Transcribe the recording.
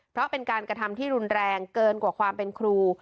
เพราะเป็นการกระทำที่รุนแรงเกินกว่าความเป็นครู